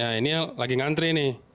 ya ini lagi ngantri nih